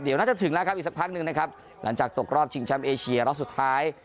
เดี๋ยวน่าจะถึงแล้วครับอีกสักพักหนึ่งนะครับหลังจากตกรอบชิงแชมป์เอเชียรอบสุดท้าย